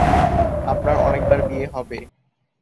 আপনার অনেকবার বিয়ে হবে।